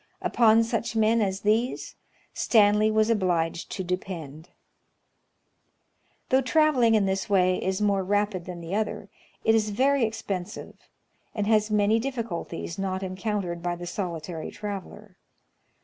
Upon such men as these Stanley was obliged to depend. Though traveling in this way is more rapid than the other, it is very expensive, and has many diflSculties not encountered by the solitary traveler.